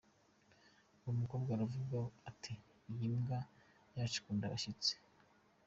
Uwo mukobwa aravuga ati"Iyi mbwa yacu ikunda abashyitsi".